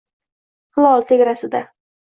Hilol tegrasida